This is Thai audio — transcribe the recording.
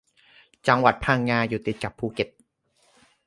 จังหวัดพังงาอยู่ติดกับภูเก็ต